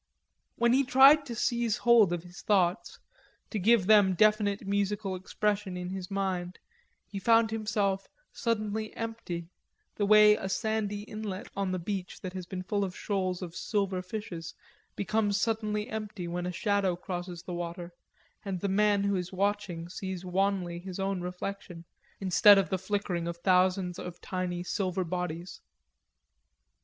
When he tried to seize hold of his thoughts, to give them definite musical expression in his mind, he found himself suddenly empty, the way a sandy inlet on the beach that has been full of shoals of silver fishes, becomes suddenly empty when a shadow crosses the water, and the man who is watching sees wanly his own reflection instead of the flickering of thousands of tiny silver bodies.